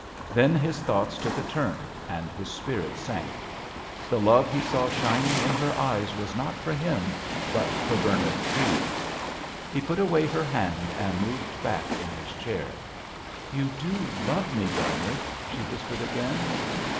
Then his thoughts took a turn, and his spirits sank. The love he saw shining in her eyes was not for him, but for Bernard Treves. He put away her hand and moved back in his chair. "You do love me, Bernard?" she whispered again.